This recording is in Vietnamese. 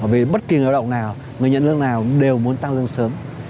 vì bất kỳ người lao động nào người nhận lương nào đều muốn tăng lương sớm